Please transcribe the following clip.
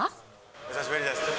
お久しぶりです。